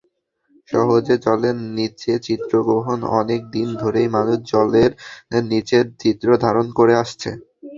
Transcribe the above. সহজে জলের নিচে চিত্রগ্রহণঅনেক দিন ধরেই মানুষ জলের নিচের চিত্র ধারণ করে আসছে।